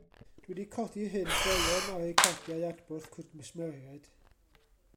Dw i 'di codi hyn droeon ar eu cardiau adborth cwsmeriaid.